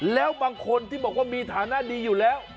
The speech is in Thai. แล้วบางคนที่บอกว่ามีฐานะดีอยู่แล้ว